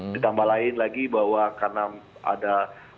ditambah lagi bahwa karena ada